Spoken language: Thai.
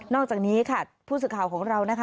อกจากนี้ค่ะผู้สื่อข่าวของเรานะคะ